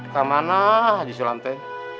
kamana haji sulam teh